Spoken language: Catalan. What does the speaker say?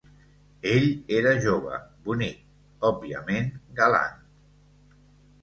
Ell era jove, bonic, òbviament galant.